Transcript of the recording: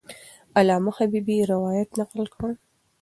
علامه حبیبي روایت نقل کړ.